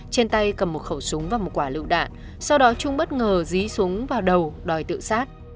trên tay cầm một khẩu súng và một quả lựu đạn sau đó trung bất ngờ dí súng vào đầu đòi tự sát